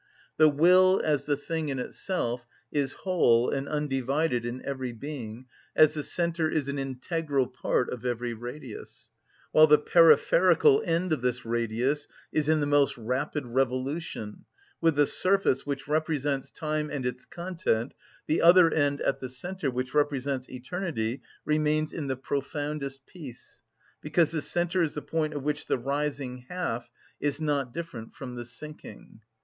The will as the thing in itself is whole and undivided in every being, as the centre is an integral part of every radius; while the peripherical end of this radius is in the most rapid revolution, with the surface, which represents time and its content, the other end, at the centre, which represents eternity, remains in the profoundest peace, because the centre is the point of which the rising half is not different from the sinking.